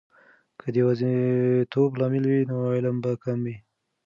که د یواځیتوب لامل وي، نو علم به کمه وي.